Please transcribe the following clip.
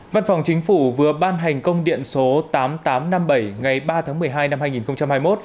văn phòng chính phủ vừa ban hành công điện số tám nghìn tám trăm năm mươi bảy ngày ba tháng một mươi hai năm hai nghìn hai mươi một